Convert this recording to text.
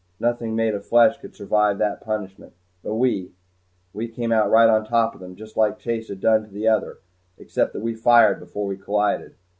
Nothing made of flesh could survive that punishment but we we came out right on top of them, just like Chase had done to the other except that we fired before we collided.